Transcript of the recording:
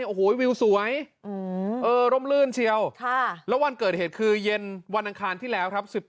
โอ้โหวิวสวยร่มลื่นเชียวแล้ววันเกิดเหตุคือเย็นวันอังคารที่แล้วครับ